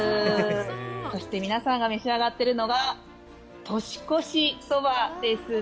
そして皆さんが召し上がっているのが年越しそばですね。